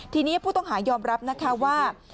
ทีนี้ผู้ต้องหายอบรับว่า